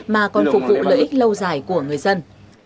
mà còn phục vụ lợi ích lâu dài của người dân